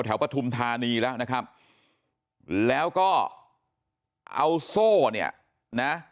ปฐุมธานีแล้วนะครับแล้วก็เอาโซ่เนี่ยนะ